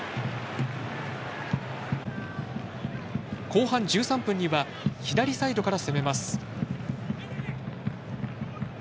後半１３分には左サイドから攻めます。